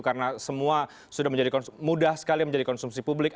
karena semua sudah mudah sekali menjadi konsumsi publik